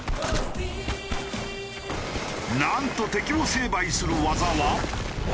なんと敵を成敗する技は。